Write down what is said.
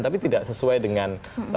tapi tidak sesuai dengan